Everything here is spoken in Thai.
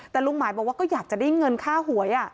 แต่ลุงหมายบอกว่าก็อยากจะได้เงินค่าหวย